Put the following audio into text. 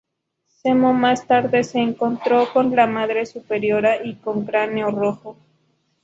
Zemo más tarde se encontró con la Madre Superiora y con Cráneo Rojo.